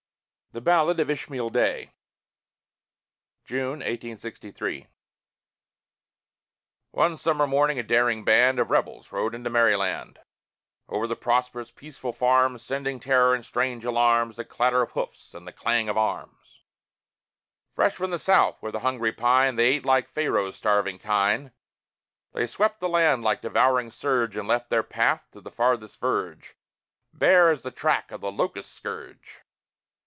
THE BALLAD OF ISHMAEL DAY [June, 1863] One summer morning a daring band Of Rebels rode into Maryland, Over the prosperous, peaceful farms, Sending terror and strange alarms, The clatter of hoofs and the clang of arms. Fresh from the South, where the hungry pine They ate like Pharaoh's starving kine; They swept the land like devouring surge, And left their path, to the farthest verge, Bare as the track of the locust scourge.